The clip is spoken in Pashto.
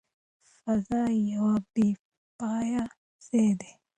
فضا یو بې پایه ځای دی.